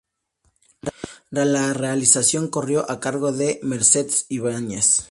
La realización corrió a cargo de Mercedes Ibáñez.